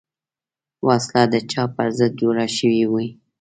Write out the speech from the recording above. وسله د چا پر ضد جوړه شوې وي